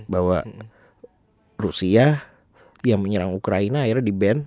bahwa rusia yang menyerang ukraina akhirnya di ban